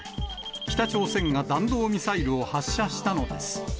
北朝鮮が弾道ミサイルを発射したのです。